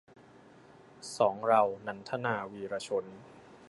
สองเรา - นันทนา วีระชน